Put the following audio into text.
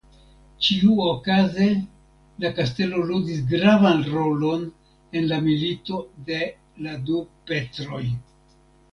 Ĉiuokaze la kastelo ludis gravan rolon en la Milito de la du Petroj.